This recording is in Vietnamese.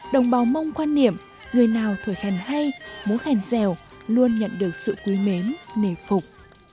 đồng bào mông quan niệm người nào thuở khèn hay múa khèn dẻo luôn nhận được sự quý mến nề phục